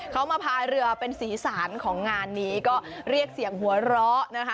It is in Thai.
เขามาพายเรือเป็นสีสารของงานนี้ก็เรียกเสียงหัวเราะนะคะ